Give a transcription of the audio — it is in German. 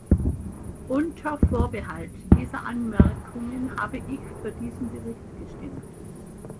Unter Vorbehalt dieser Anmerkungen habe ich für diesen Bericht gestimmt.